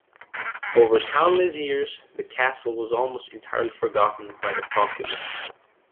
Over countless years, the castle was almost entirely forgotten by the populace.